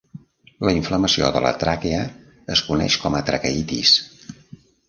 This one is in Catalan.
La inflamació de la tràquea es coneix com a traqueïtis.